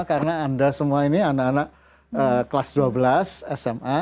karena anda semua ini anak anak kelas dua belas sma